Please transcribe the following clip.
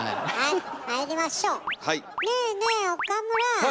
はい。